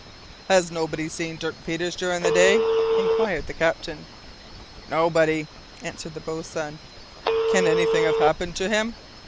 "Has nobody seen Dirk Peters during the day?" inquired the captain. "Nobody," answered the boatswain. "Can anything have happened to him?"